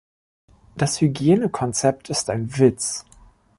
Das Hygienekonzept ist ein Witz.